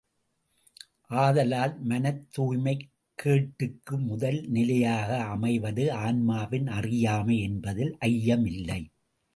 ஆதலால், மனத் தூய்மைக் கேட்டுக்கு முதல் நிலையாக அமைவது ஆன்மாவின் அறியாமை என்பதில் ஐயமில்லை.